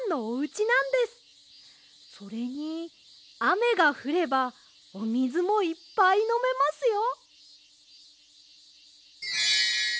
それにあめがふればおみずもいっぱいのめますよ。